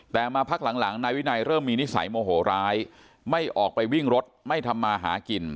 แต่มาพักหลังนายวินัยเริ่มมีนิสัยโมโหร้ายไม่ออกไปวิ่งรถไม่ทำมาหากิน